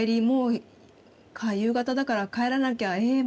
もう夕方だから帰らなきゃえ